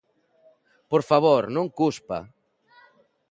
Por favor, non cuspa.